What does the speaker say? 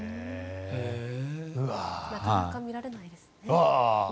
なかなか見られないですね。